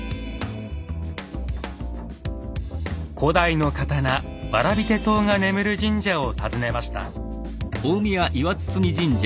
古代の刀蕨手刀が眠る神社を訪ねました。